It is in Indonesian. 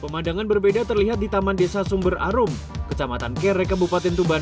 pemandangan berbeda terlihat di taman desa sumber arum kecamatan kere kabupaten tuban